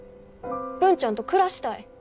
文ちゃんと暮らしたい。